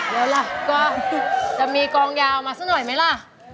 แล้วล่ะก็จะมีกองยาวมาสักหน่อยไหมล่ะ